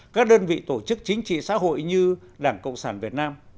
các đơn vị tổ chức chính trị xã hội như đảng cộng sản việt nam